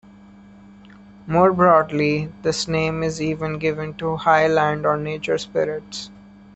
More broadly, this name is even given to highland or nature spirits.